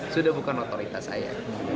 sudah bukan otoritas saya